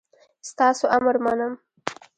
ستاسو امر منم